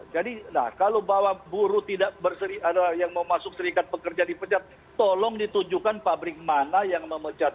jadi kalau bawa buruh yang mau masuk serikat pekerja dipecat tolong ditujukan pabrik mana yang memecat